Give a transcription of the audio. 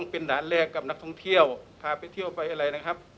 เป็นด่านแรกกับนักท่องเที่ยวพาไปเที่ยวไปอะไรนะครับ